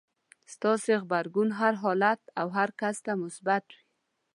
ستاسې غبرګون هر حالت او هر کس ته مثبت وي.